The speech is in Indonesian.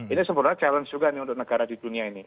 ini sebenarnya challenge juga nih untuk negara di dunia ini